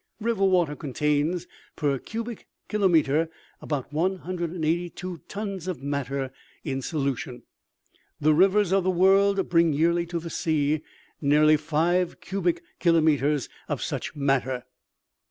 " River water contains, per cubic kilometer, about 182 tons of matter in solution. The rivers of the world bring yearly to the sea, nearly five cubic kilometers of such matter.